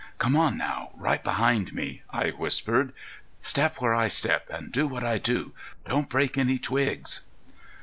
"Come on now, right behind me," I whispered. "Step where I step and do what I do. Don't break any twigs."